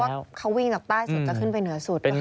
เพราะว่าเขาวิ่งจากใต้สุดจะขึ้นไปเหนือสุด